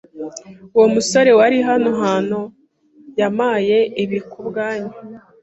Uwo musore wari hano hano yampaye ibi kubwanyu.